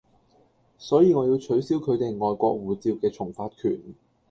所以我要取消佢哋外國護照嘅重發權